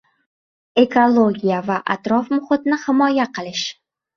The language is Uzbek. Ekologiya va atrof muhitni himoya qilish.